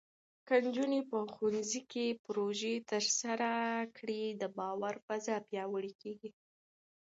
که نجونې په ښوونځي کې پروژې ترسره کړي، د باور فضا پیاوړې کېږي.